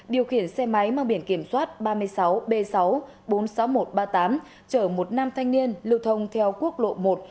điều khiển xe máy mang biển kiểm soát ba mươi sáu b sáu bốn mươi sáu nghìn một trăm ba mươi tám chở một nam thanh niên lưu thông theo quốc lộ một